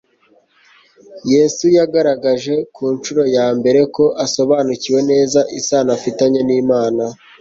Yesu yagaragaje ku nshuro ya mbere ko asobanukiwe neza isano afitanye n'Imana.